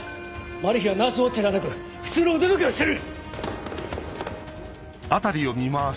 マルヒはナースウオッチではなく普通の腕時計をしている！